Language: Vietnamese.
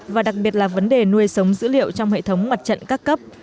và đặc biệt là vấn đề nuôi sống dữ liệu trong hệ thống mặt trận các cấp